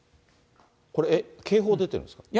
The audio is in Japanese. これ、警報出てるんですか？